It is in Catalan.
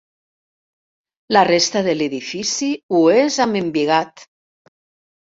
La resta de l'edifici ho és amb embigat.